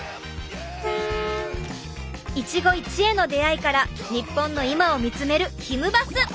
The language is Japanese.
一期一会の出会いから日本の今を見つめる「ひむバス！」